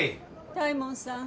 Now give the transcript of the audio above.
大門さん。